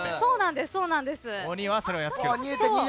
鬼はそれをやっつける。